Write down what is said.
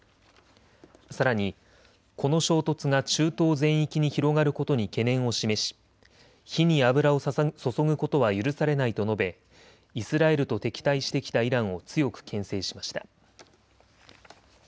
さらに、この衝突が中東全域に広がることに懸念を示し火に油を注ぐことは許されないと述べ、イスラエルと敵対してきたイランを強くけん制しました。